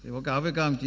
báo cáo với các ông chí